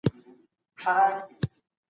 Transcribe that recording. نایله د پښتو ژبې ښوونکې ده.